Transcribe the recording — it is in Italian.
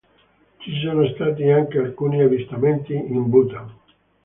Ci sono stati anche alcuni avvistamenti in Bhutan.